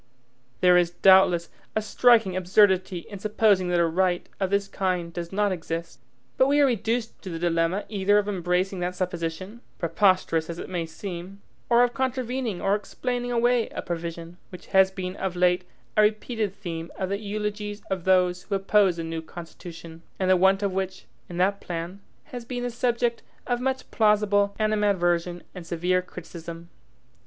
There is, doubtless, a striking absurdity in supposing that a right of this kind does not exist, but we are reduced to the dilemma either of embracing that supposition, preposterous as it may seem, or of contravening or explaining away a provision, which has been of late a repeated theme of the eulogies of those who oppose the new Constitution; and the want of which, in that plan, has been the subject of much plausible animadversion, and severe criticism.